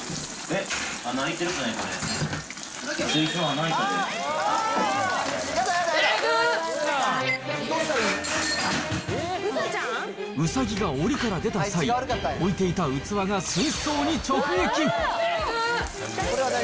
え、穴開いてるやん、水槽、ウサギがおりから出た際、置いていた器が水槽に直撃。